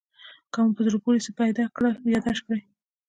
که مو زړه پورې څه پیدا کړل یادداشت کړئ.